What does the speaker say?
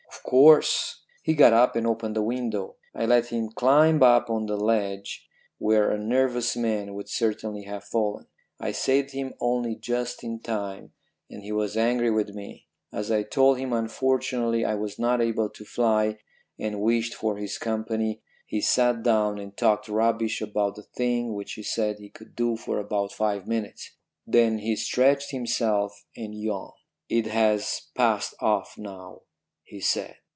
"'Of course.' He got up and opened the window. I let him climb up on the ledge, where a nervous man would certainly have fallen. I saved him only just in time, and he was angry with me. As I told him unfortunately I was not able to fly and wished for his company, he sat down and talked rubbish about the things which he said he could do for about five minutes. Then he stretched himself and yawned. "'It has passed off now,' he said.